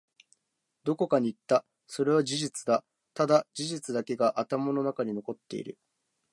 どこかに行った。それは事実だ。ただ、事実だけが頭の中に残っている。